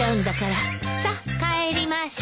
さっ帰りましょ。